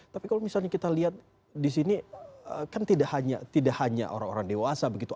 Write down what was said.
tapi kalau misalnya kita lihat di sini kan tidak hanya orang orang dewasa begitu